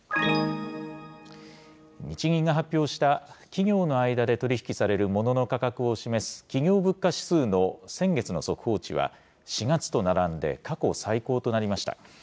日銀が発表した、企業の間で取り引きされるモノの価格を示す企業物価指数の先月の速報値は、４月と並んで過去最高となりました。